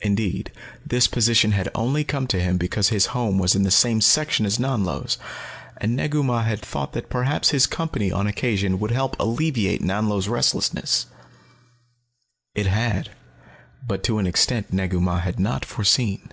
Indeed, this position had only come to him because his home was in the same section as Nanlo's, and Negu Mah had thought that perhaps his company on occasion would help alleviate Nanlo's restlessness. It had but to an extent Negu Mah had not foreseen.